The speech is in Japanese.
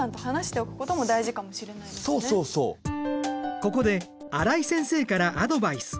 ここで新井先生からアドバイス。